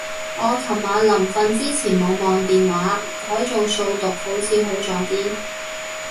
我尋晚臨瞓之前冇望電話，改做數獨好似好咗啲